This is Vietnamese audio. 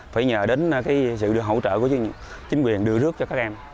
phải nhờ đến sự hỗ trợ của chính quyền đưa rước cho các em